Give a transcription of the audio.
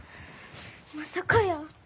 まさかやー。